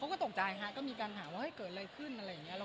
ก็ตกใจฮะก็มีการถามว่าเกิดอะไรขึ้นอะไรอย่างนี้